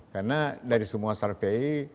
karena dari semua survey